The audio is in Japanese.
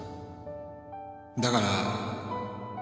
だから